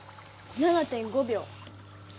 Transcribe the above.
７．５秒。